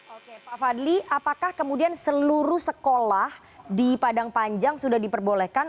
oke pak fadli apakah kemudian seluruh sekolah di padang panjang sudah diperbolehkan